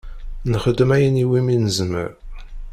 Nxeddem ayen iwimi nezmer.